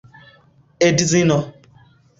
edzino